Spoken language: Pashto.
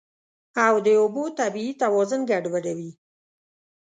او د اوبو طبیعي توازن ګډوډوي.